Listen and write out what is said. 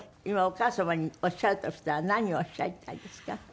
今お母様におっしゃるとしたら何をおっしゃりたいですか？